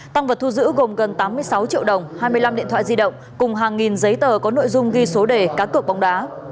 tăng vật thu giữ gồm gần tám mươi sáu triệu đồng hai mươi năm điện thoại di động cùng hàng nghìn giấy tờ có nội dung ghi số đề cá cược bóng đá